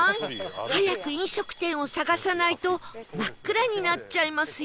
早く飲食店を探さないと真っ暗になっちゃいますよ